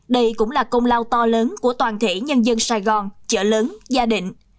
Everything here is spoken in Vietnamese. đây cũng là công lao to lớn của toàn thể nhân dân sài gòn chợ lớn gia định